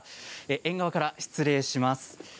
縁側から失礼します。